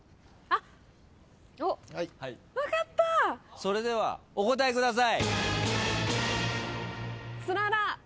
それではお答えください。